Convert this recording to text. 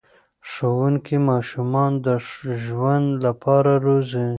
ښوونکي ماشومان د ژوند لپاره روزي.